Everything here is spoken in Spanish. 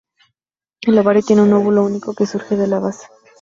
El ovario tiene un óvulo único que surge de la base.